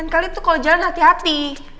sembilan kali itu kalau jalan hati hati